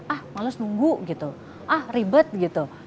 ah males nunggu gitu ah ribet gitu